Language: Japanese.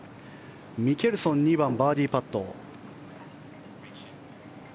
ミケルソン２番のバーディーパット。